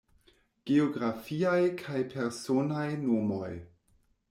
Geografiaj kaj personaj nomoj.